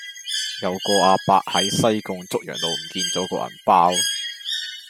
有個亞伯喺西貢竹洋路唔見左個銀包